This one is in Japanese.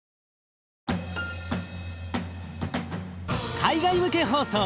海外向け放送